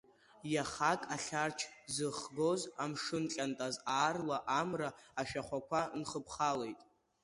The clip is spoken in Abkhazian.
Иахак ахьарч зыхгоз амшын ҟьантаз аарла амра ашәахәақәа нхыԥхалеит.